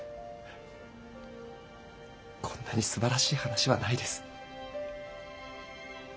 こんなにすばらしい話はないです。